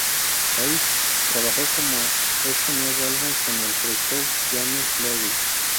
Peace trabajó en este nuevo álbum con el productor James Lewis.